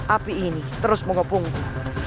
api ini terus mengepungku